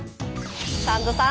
サンドさん